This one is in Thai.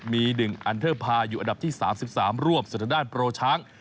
มี๑อันเดิร์ภาพอยู่อัดับที่๓๓ร่วมสถานด้านโปรช้าง